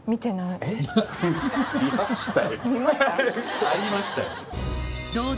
見ました？